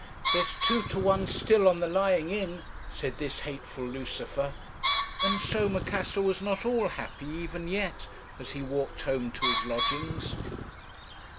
"'There's two to one still on the Lying in,' said this hateful Lucifer. "And so Macassar was not all happy even yet, as he walked home to his lodgings.